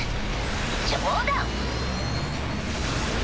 冗談！